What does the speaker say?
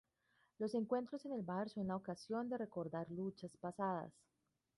Los encuentros en el bar son la ocasión de recordar luchas pasadas.